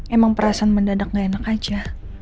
emang perasaan mendadak gak enak aja